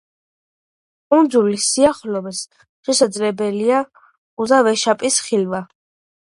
კუნძულის სიახლოვეს შესაძლებელია კუზა ვეშაპის ხილვა.